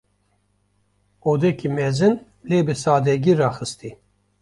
Odeke mezin; lê bi sadegî raxistî.